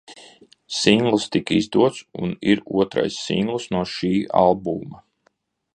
Singls tika izdots un ir otrais singls no šī albuma.